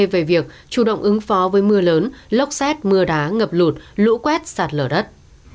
về việc chủ động ứng phó với mưa lớn lốc xét mưa đá ngập lụt lũ quét sạt lở đất